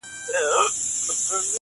شهو مي د نه وسه خور ده.